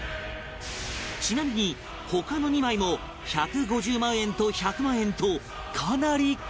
ちなみに他の２枚も１５０万円と１００万円とかなり高額